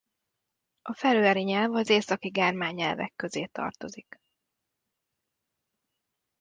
A feröeri nyelv az északi germán nyelvek közé tartozik.